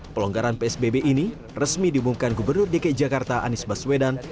pelonggaran psbb ini resmi diumumkan gubernur dki jakarta anies baswedan